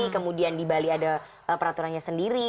kemudian di bali ada peraturannya sendiri